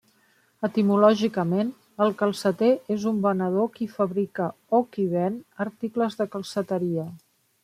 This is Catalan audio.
Etimològicament, el calceter és un venedor qui fabrica on qui ven articles de calceteria.